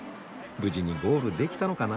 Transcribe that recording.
無事にゴールできたのかな？